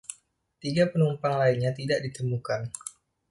Tiga penumpang lainnya tidak ditemukan.